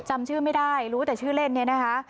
จำชื่อไม่ได้รู้แต่ชื่อเล่นเนี่ยนะคะ